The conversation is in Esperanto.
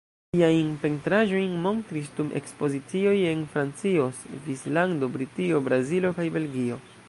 Siajn pentraĵojn montris dum ekspozicioj en Francio, Svislando, Britio, Brazilo kaj Belgio.